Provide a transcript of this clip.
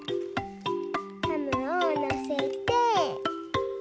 ハムをのせて。